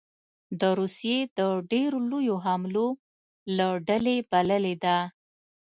د روسیې د ډېرو لویو حملو له ډلې بللې ده